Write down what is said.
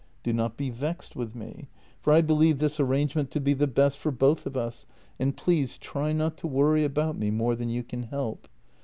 Do not be vexed with me, for I believe this arrangement to be the best for both of us, and please try not to worry about me more than you can help.